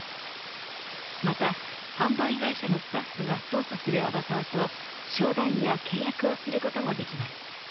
また、販売会社のスタッフが操作するアバターと商談や契約をすることもできます。